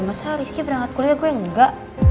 masa rizky berangkat kuliah gue yang engga